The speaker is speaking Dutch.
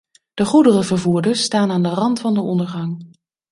De goederenvervoerders staan aan de rand van de ondergang.